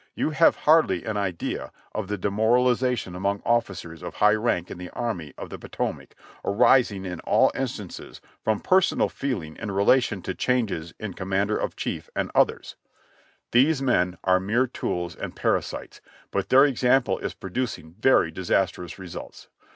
You have hardly an idea of the demoralization among officers of high rank in the Army of the Potomac, arising in all instances from personal feeling in relation to changes of commander in chief and others. These THE WRECK AFTER THE STORM 265 men are mere tools and parasites, but their example is producing very disastrous results.